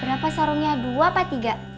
berapa sarungnya dua apa tiga